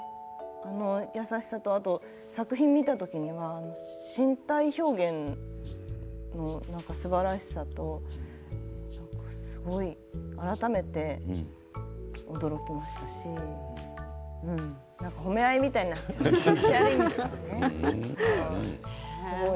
本当に優しさとあと作品を見た時のあの身体表現すばらしさとすごい改めて驚きましたしうん、褒め合いみたいになっちゃって気持ち悪いですよね。